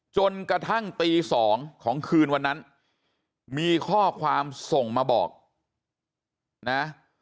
จนกระทั่งตี๒ของคืนวันนั้นมีข้อความส่งมาบอกนะ